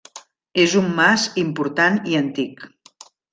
És un mas important i antic.